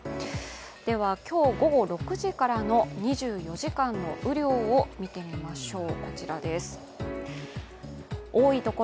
では、今日、午後６時からの２４時間の雨量を見てみましょう。